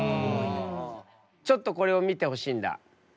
ちょっとこれを見てほしいんだ。